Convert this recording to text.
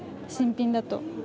新品だと。